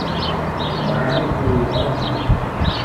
Neɣ ahat ur yebɣi ara ad d-yemmekti.